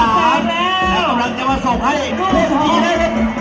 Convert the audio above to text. อ้าวรายงานตัวรายงานตัวอ้าวพี่ลาไงบ้างไงไหมพอได้ครับพอได้ครับ